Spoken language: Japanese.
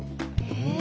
へえ。